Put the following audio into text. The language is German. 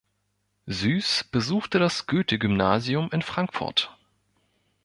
Süss besuchte das Goethe-Gymnasium in Frankfurt.